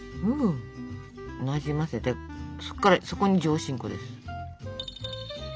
なじませてそこに上新粉です。